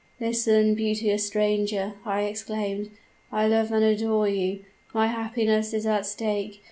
"'Listen, beauteous stranger,' I exclaimed; 'I love and adore you. My happiness is at stake.